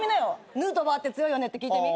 ヌートバーって強いよねって聞いてみ。